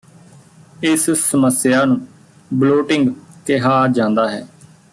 ਇਸ ਸਮੱਸਿਆ ਨੂੰ ਬਲੋਟਿੰਗ ਕਿਹਾ ਜਾਂਦਾ ਹੈ